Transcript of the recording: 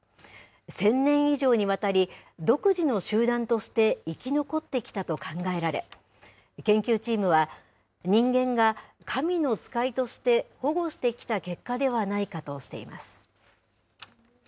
１０００年以上にわたり、独自の集団として生き残ってきたと考えられ、研究チームは、人間が神の使いとして保護してきた結果ではないかとしています。